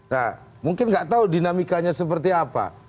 nah mungkin nggak tahu dinamikanya seperti apa